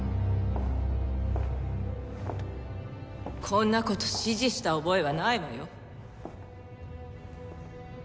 こんなこと指示した覚えはないわよ